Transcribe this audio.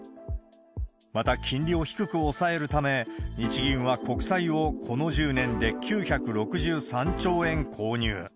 また、金利を低く抑えるため、日銀は国債をこの１０年で９６３兆円購入。